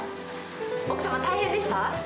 奥様、大変でした？